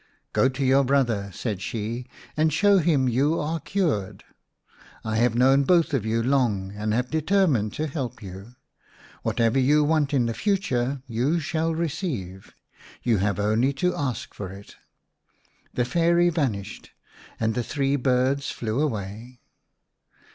"Go to your brother," said she, " and show him you are cured. I have known both of you long and have determined to help you. What ever you want in the future you shall receive ; you have only to ask for it." The Fairy vanished, and the three birds flew away.